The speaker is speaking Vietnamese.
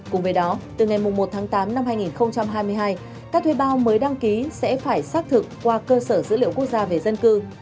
cùng với đó từ ngày một tháng tám năm hai nghìn hai mươi hai các thuê bao mới đăng ký sẽ phải xác thực qua cơ sở dữ liệu quốc gia về dân cư